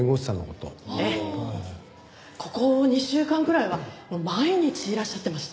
ここ２週間くらいは毎日いらっしゃってました。